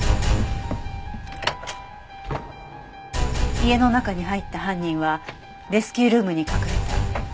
家の中に入った犯人はレスキュールームに隠れた。